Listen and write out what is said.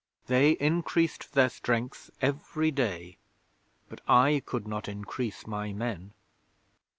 They increased their strength every day, but I could not increase my men.